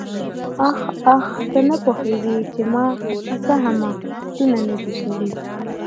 آخ آخ ته نه پوهېږې چې ما څه حماقتونه نه دي کړي.